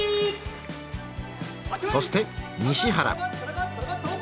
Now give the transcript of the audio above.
そして西原。